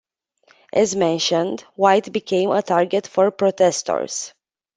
As mentioned, White became a target for protestors.